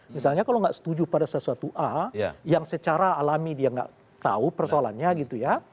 misalnya kalau nggak setuju pada sesuatu a yang secara alami dia nggak tahu persoalannya gitu ya